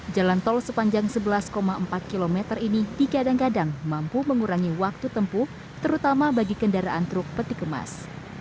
jalan tol sepanjang sebelas empat km ini digadang gadang mampu mengurangi waktu tempuh terutama bagi kendaraan truk petik emas